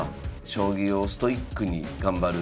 将棋をストイックに頑張る。